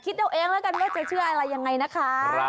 คิดตัวเองละกันว่าจะเชื่ออะไรยังไงนะคะ